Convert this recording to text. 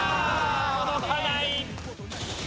届かない！